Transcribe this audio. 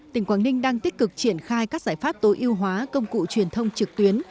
tỉnh quảng ninh đang tích cực triển khai các giải pháp tối ưu hóa công cụ truyền thông trực tuyến